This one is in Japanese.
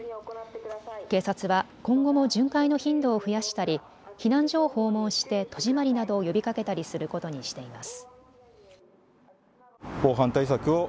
警察は今後も巡回の頻度を増やしたり避難所を訪問して戸締まりなどを呼びかけたりすることにしています。